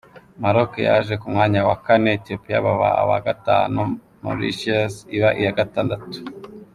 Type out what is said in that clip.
Maroc yaje ku mwanya wa kane, Ethiopia baba aba gatanu, Mauritius iba iya Gatandatu.